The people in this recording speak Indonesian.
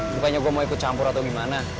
bukannya gue mau ikut campur atau gimana